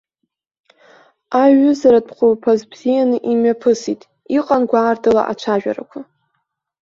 Аиҩызаратә хәылԥаз бзианы имҩаԥысит, иҟан гәаартыла ацәажәарақәа.